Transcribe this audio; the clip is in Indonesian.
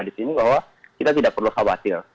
di sini bahwa kita tidak perlu khawatir